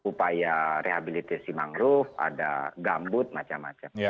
upaya rehabilitasi mangrove ada gambut macam macam